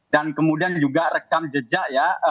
dan kemudian juga rekam jejak ya